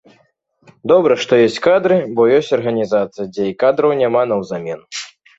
Добра, што ёсць кадры, бо ёсць арганізацыі, дзе і кадраў няма наўзамен!